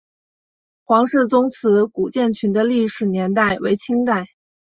黄氏宗祠古建群的历史年代为清代。